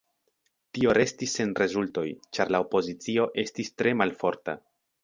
Tio restis sen rezultoj, ĉar la opozicio estis tre malforta.